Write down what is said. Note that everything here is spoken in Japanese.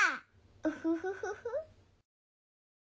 ウフフフフ。